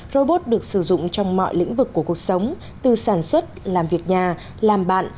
robot được sử dụng trong mọi lĩnh vực của cuộc sống từ sản xuất làm việc nhà làm bạn